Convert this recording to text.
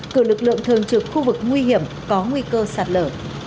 cử lực lượng thường trực khu vực nguy hiểm có nguy cơ sạt lở